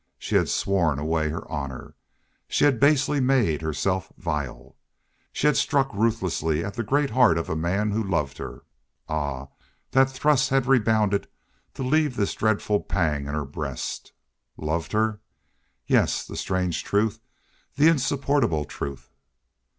She had sworn away her honor. She had basely made herself vile. She had struck ruthlessly at the great heart of a man who loved her. Ah! That thrust had rebounded to leave this dreadful pang in her breast. Loved her? Yes, the strange truth, the insupportable truth!